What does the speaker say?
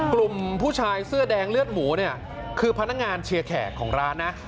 กลุ่มผู้ชายเสื้อแดงเลือดหมูเนี่ยคือพนักงานเชียร์แขกของร้านนะ